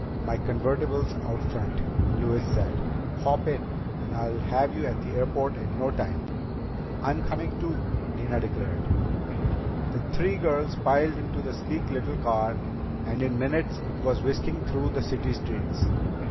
"My convertible's out front," Louise said. "Hop in and I'll have you at the airport in no time." "I'm coming too," Nina declared. The three girls piled into the sleek little car, and in minutes it was whisking through the city streets.